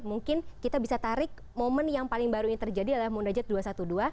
mungkin kita bisa tarik momen yang paling baru ini terjadi adalah munajat dua ratus dua belas